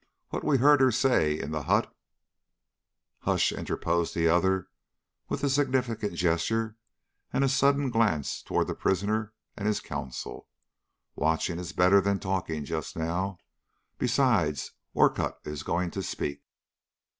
What we heard her say in the hut " "Hush!" interposed the other, with a significant gesture and a sudden glance toward the prisoner and his counsel; "watching is better than talking just now. Besides, Orcutt is going to speak."